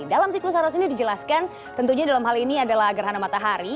dalam siklus saros ini dijelaskan tentunya dalam hal ini adalah gerhana matahari